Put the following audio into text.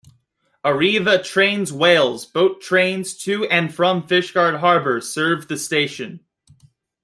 Arriva Trains Wales boat trains to and from Fishguard Harbour serve the station.